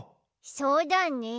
そうだね。